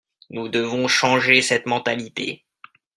Nous devons changer cette mentalité.